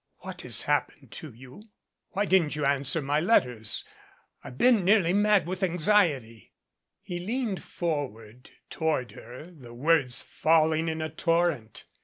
"What has happened to you? Why didn't you answer my letters. I've been nearly mad with anxiety." He leaned forward toward her, the words falling in a torrent.